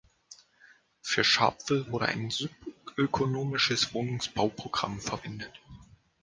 Für Sharpeville wurde ein subökonomisches Wohnungsbauprogramm verwendet.